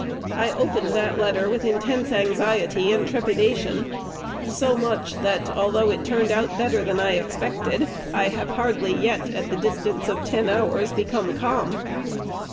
I opened the letter with intense anxiety and trepidation; so much, that, although it turned out better than I expected, I have hardly yet, at the distance of ten hours, become calm.